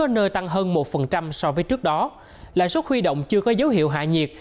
ở nơi tăng hơn một so với trước đó lãi suất huy động chưa có dấu hiệu hạ nhiệt